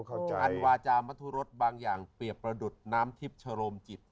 อันวาจามัธุรสบางอย่างเปรียบประดุษน้ำทิพย์ชะโรมจิต